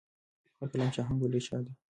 هر کلام چې آهنګ ولري، شعر دی.